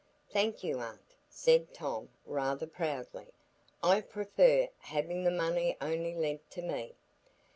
"Thank you, aunt," said Tom, rather proudly. "I prefer having the money only lent to me."